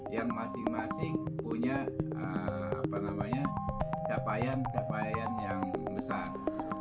yang masing masing punya capaian capaian yang besar